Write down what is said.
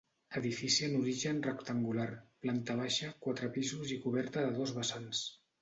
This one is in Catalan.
Edifici en origen rectangular, planta baixa, quatre pisos i coberta de dos vessants.